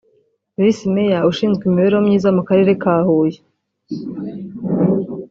Visi Meya ushinzwe imibereho myiza mu Karere ka Huye